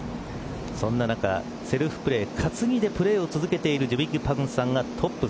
そんな中、セルフプレー担いでプレーを続けているジュビック・パグンサンがトップ。